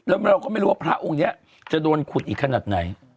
แล้วเราก็ไม่รู้ว่าพระองค์นี้จะโดนขุดอีกขนาดไหน